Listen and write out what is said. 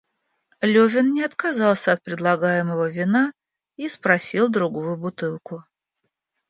Левин не отказался от предлагаемого вина и спросил другую бутылку.